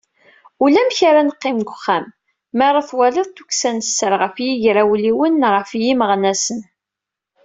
"Ulamek ara neqqim deg uxxam, mi ara twaliḍ, tukksa n sser ɣef yigrawliwen neɣ ɣef yimeɣnasen."